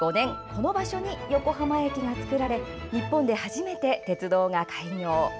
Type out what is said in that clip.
この場所に横浜駅が造られ日本で初めて鉄道が開業。